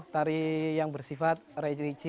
tari yang bersifat reji reji